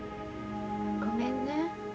ごめんね。